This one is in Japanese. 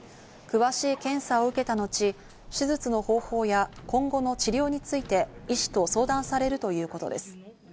詳しい検査を受けたのち、手術の方法や今後の治療について、医師と相談されるということです。